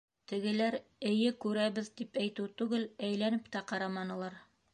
Тегеләр «Эйе, күрәбеҙ» тип әйтеү түгел, әйләнеп тә ҡараманылар.